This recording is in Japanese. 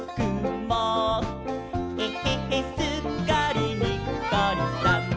「えへへすっかりにっこりさん！」